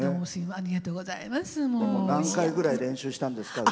何回ぐらい練習したんですか？